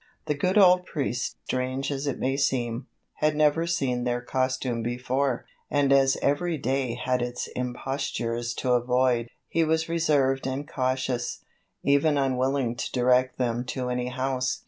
The good old priest, strange as it may seem, had never seen their costume before, and as every day had its impostures to avoid, he was reserved and cautious, even unwilling to direct them to any house.